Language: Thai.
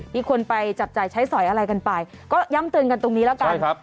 มีคนไปจับจ่ายใช้สอยอะไรกันไปก็ย้ำเตือนกันตรงนี้แล้วกัน